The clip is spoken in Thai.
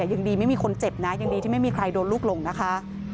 ยังดีไม่มีคนเจ็บนะยังดีที่ไม่มีใครโดนลูกหลงนะคะ